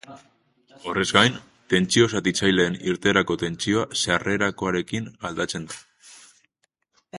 Horrez gain, tentsio-zatitzaileen irteerako tentsioa sarrerakoarekin aldatzen da.